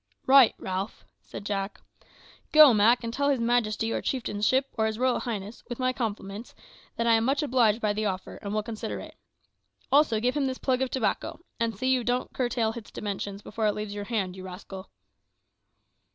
"Right, Ralph," said Jack. "Go, Mak, and tell his majesty, or chieftainship, or his royal highness, with my compliments, that I am much obliged by the offer, and will consider it. Also give him this plug of tobacco; and see you don't curtail its dimensions before it leaves your hand, you rascal."